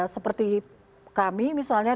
seperti kami misalnya